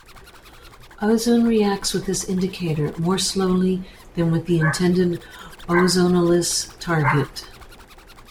Ozone reacts with this indicator more slowly than with the intended ozonolysis target.